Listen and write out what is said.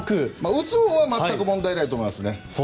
打つほうは全く問題ないと思います。